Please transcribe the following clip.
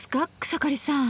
草刈さん。